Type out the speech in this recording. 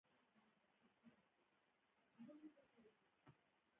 ازادي راډیو د بانکي نظام په اړه د ځوانانو نظریات وړاندې کړي.